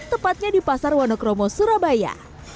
tepatnya di pasar wano kromo surabaya